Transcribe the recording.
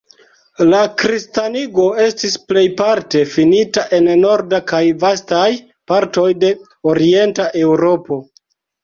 La kristanigo estis plejparte finita en norda kaj vastaj partoj de orienta Eŭropo.